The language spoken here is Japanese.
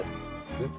えっ？